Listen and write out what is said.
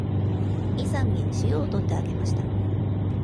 イさんに塩を取ってあげました。